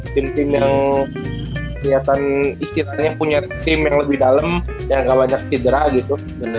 tim tim yang keliatan istilahnya punya tim yang lebih dalem yang gak banyak sidra gitu